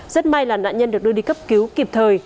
rất may là nạn nhân được đưa đi cấp cứu kịp thời